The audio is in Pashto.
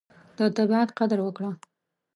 د طبیعت قدر وکړه.